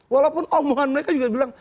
walaupun omongan mereka juga bilang